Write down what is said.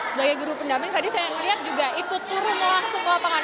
sebagai guru pendamping tadi saya melihat juga ikut turun langsung ke lapangan